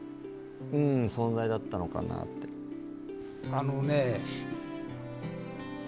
あのね